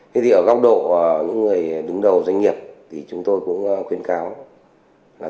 thế thì ở góc độ những người đứng đầu doanh nghiệp thì chúng tôi cũng khuyên cáo là